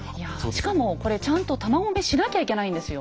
しかもこれちゃんと弾込めしなきゃいけないんですよ？